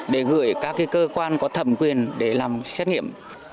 để gửi các cơ quan có thẩm quyền để làm xét nghiệm